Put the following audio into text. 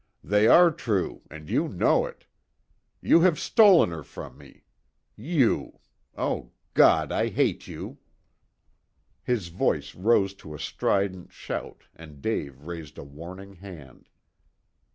"They are true, and you know it. You have stolen her from me. You! Oh, God, I hate you!" His voice rose to a strident shout and Dave raised a warning hand.